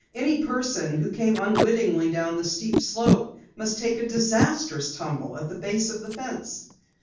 Any person who came unwittingly down the steep slope must take a disastrous tumble at the base of the fence.